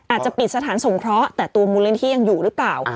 อาจจะปิดสถานสงเคราะห์แต่ตัวมูลนิธิยังอยู่หรือเปล่า